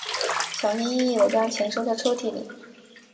小心翼翼地将钱收在抽屉里